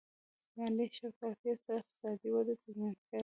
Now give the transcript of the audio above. مالي شفافیت سره اقتصادي وده تضمین کړئ.